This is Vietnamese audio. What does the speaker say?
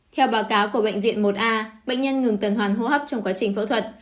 theo báo cáo của bệnh viện một a bệnh nhân ngừng tuần hoàn hô hấp trong quá trình phẫu thuật